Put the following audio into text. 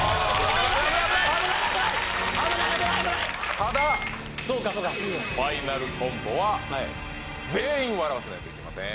ただファイナルコンボは全員笑わせないといけません